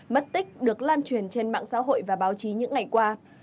mất tích được lan truyền trên mạng xã hội và báo chí những ngày qua